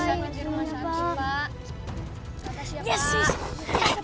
sampai jumpa di video selanjutnya pak